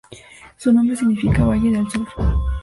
Su nombre significa ""valle del sur"".